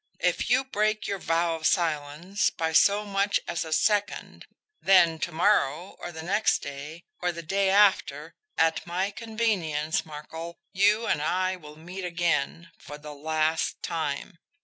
If you break your vow of silence by so much as a second, then to morrow, or the next day, or the day after, at my convenience, Markel, you and I will meet again for the LAST time.